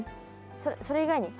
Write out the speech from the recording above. それ以外に？